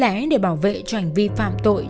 tìm ra những lý lẽ để bảo vệ cho hành vi phạm tội